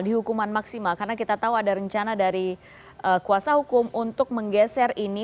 dihukuman maksimal karena kita tahu ada rencana dari kuasa hukum untuk menggeser ini